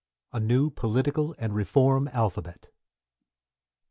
A NEW POLITICAL AND REFORM ALPHABET.